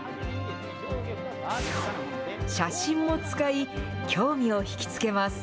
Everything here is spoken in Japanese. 写真も使い、興味を引き付けます。